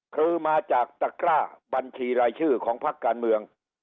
คือมาจากตะกร้าบัญชีรายชื่อของพักการเมือง